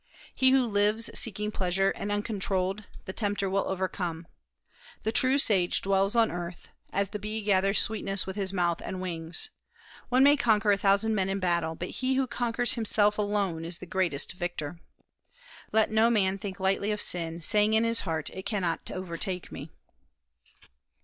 He who lives seeking pleasure, and uncontrolled, the tempter will overcome.... The true sage dwells on earth, as the bee gathers sweetness with his mouth and wings.... One may conquer a thousand men in battle, but he who conquers himself alone is the greatest victor.... Let no man think lightly of sin, saying in his heart, 'It cannot overtake me.'...